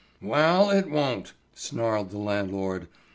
"Wa'al, it won't," snarled the landlord.